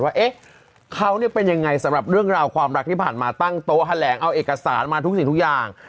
ว่าเขาเป็นยังไงสำหรับเรื่องราวความรักที่ผ่านมาตั้งโต๊ะแถลงเอาเอกสารมาทุกสิ่งทุกอย่าง